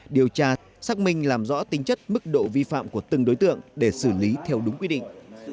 điều tra xác minh làm rõ tính chất mức độ vi phạm của từng đối tượng để xử lý theo đúng quy định